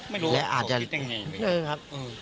ไม่รู้ว่าเขาคิดยังไงเลยครับ